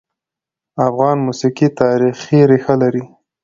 افغان موسیقي تاریخي ريښه لري.